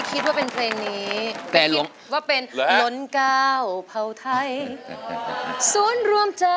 สิบลิ้วพะนม